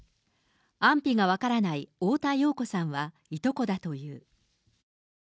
安否が分からない太田洋子さんは、いとこだという。